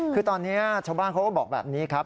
คือตอนนี้ชาวบ้านเขาก็บอกแบบนี้ครับ